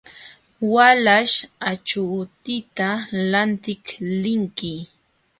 Walaśh, achuutita lantiq linki.